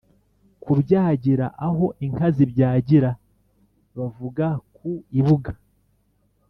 Kubyagira aho inka zibyagira bavuga ku Ibuga